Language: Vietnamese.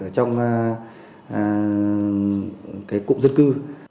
của cụm dân cư